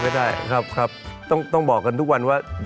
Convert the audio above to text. มันมีคนแบบนี้อยู่ทุกคนด้วย